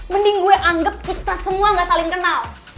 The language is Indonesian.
mending gue anggap kita semua gak saling kenal